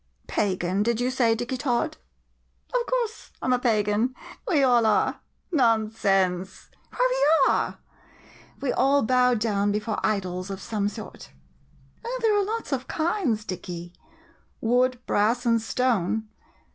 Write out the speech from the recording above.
] Pagan, did you say, Dicky Tod? Of course, I 'm a pagan — we all are ! Non 4 CUPID PLAYS COACH sense — why, we are! We all bow down before idols of some sort. Oh, there are lots of kinds, Dicky — wood, brass, and stone!